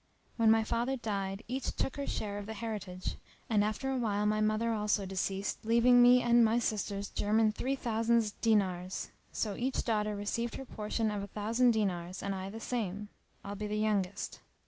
When my father died, each took her share of the heritage and, after a while my mother also deceased, leaving me and my sisters german three thousand dinars; so each daughter received her portion of a thousand dinars and I the same, albe the youngest.